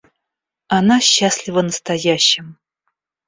Она счастлива настоящим.